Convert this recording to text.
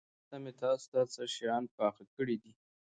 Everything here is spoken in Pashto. هلته مې تاسو ته څه شيان پاخه کړي دي.